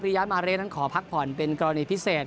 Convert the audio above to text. ยามาเร่นั้นขอพักผ่อนเป็นกรณีพิเศษ